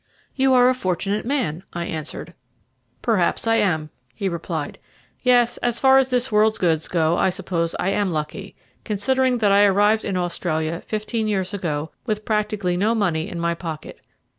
"You are a fortunate man," I answered. "Perhaps I am," he replied. "Yes, as far as this world's goods go I suppose I am lucky, considering that I arrived in Australia fifteen years ago with practically no money in my pocket.